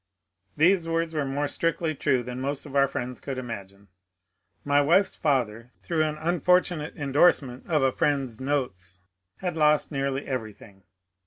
The words were more strictly true than most of our friends could imagine. My wife's father, through an unfortunate endorsement of a friend's notes, had lost nearly everything.